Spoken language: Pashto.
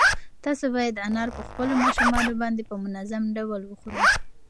تاسو باید انار په خپلو ماشومانو باندې په منظم ډول وخورئ.